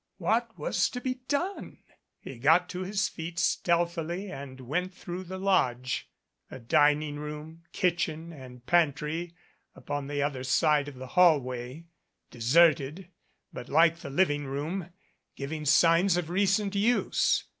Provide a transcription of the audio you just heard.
What was to be done? He got to his feet stealthily and went through the lodge. A dining room, kitchen and pantry upon the other side of the hallway, deserted, but, like the living room, giving signs of recent use.